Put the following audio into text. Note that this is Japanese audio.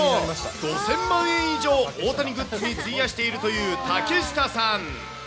５０００万円以上、大谷グッズに費やしているという竹下さん。